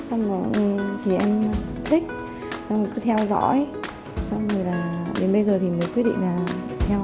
không có thì em thích trong cứ theo dõi không người là đến bây giờ thì mình quyết định là theo